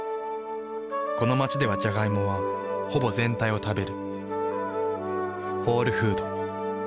この街ではジャガイモはほぼ全体を食べる。